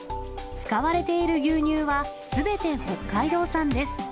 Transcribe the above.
使われている牛乳はすべて北海道産です。